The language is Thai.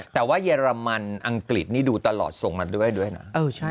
แต่ว่าเยอรมันอังกฤษนี่ดูตลอดส่งมาด้วยด้วยนะ